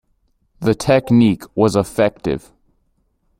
The technique was effective.